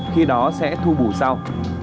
khi đó sẽ thu bù sau